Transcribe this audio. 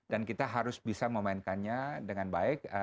dan kita harus bisa memainkannya dengan baik